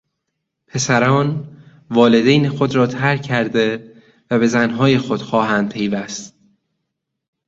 پسران والدین خود را ترک کرده و به زنهای خود خواهند پیوست.